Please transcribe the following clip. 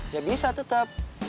ya bisa tetep